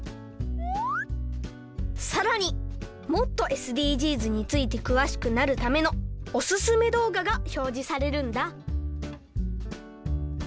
さらにもっとＳＤＧｓについてくわしくなるためのおすすめどうががひょうじされるんだ。